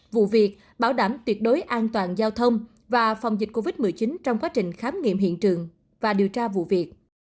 vụ việc bảo đảm tuyệt đối an toàn giao thông và phòng dịch covid một mươi chín trong quá trình khám nghiệm hiện trường và điều tra vụ việc